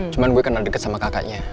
cuma gue kenal deket sama kakaknya